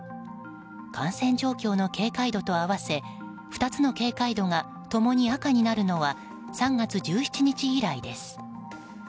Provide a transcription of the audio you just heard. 感染状況の警戒度と合わせ２つの警戒度が共に赤になるのは３月１７日以来です。